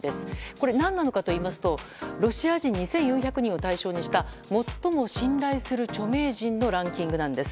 これ、何なのかといいますとロシア人２４００人を対象にした最も信頼する著名人のランキングなんです。